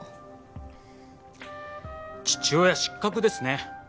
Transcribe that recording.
父親失格ですね。